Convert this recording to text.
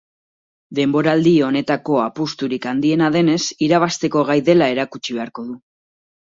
Denboraldi honetako apusturik handiena denez, irabazteko gai dela erakutsi beharko du.